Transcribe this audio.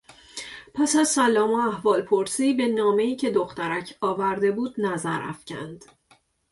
پس از سلام و احوالپرسیبه نامهای که دخترک آورده بود نظر افکند.